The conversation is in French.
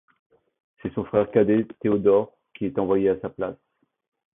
C'est son frère cadet Théodore qui est envoyé à sa place.